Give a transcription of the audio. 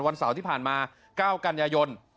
วันเสาร์ที่ผ่านมา๙กันยายน